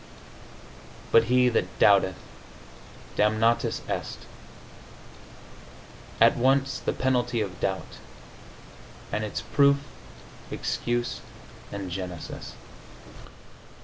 But he that doubteth damnatus est. At once the penalty of doubt and its proof, excuse and genesis.